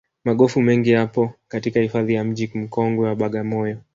magofu mengi yapo katika hifadhi ya mji mkongwe wa bagamoyo